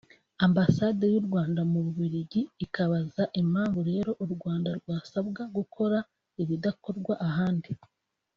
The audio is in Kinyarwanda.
Ambasade y’u Rwanda mu Bubiligi ikibaza impamvu rero u Rwanda rwasabwa gukora ibidakorwa ahandi